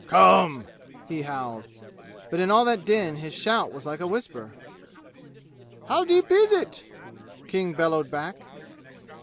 "Come!" he howled; but in all that din his shout was like a whisper. "How deep is it?" King bellowed back.